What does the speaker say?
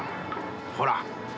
ほら